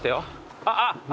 あっあった。